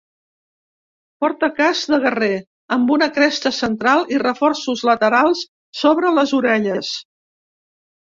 Porta casc de guerrer amb una cresta central i reforços laterals sobre les orelles.